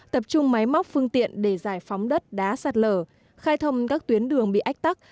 thương tiện để giải phóng đất đá sạt lở khai thông các tuyến đường bị ách tắc